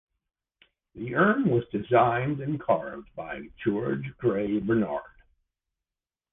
The urn was designed and carved by George Grey Barnard.